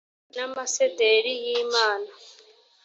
n amasederi y imana